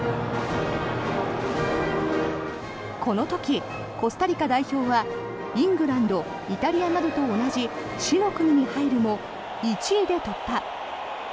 この時、コスタリカ代表はイングランドイタリアなどと同じ死の組に入るも１位で突破。